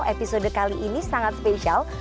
episode kali ini sangat spesial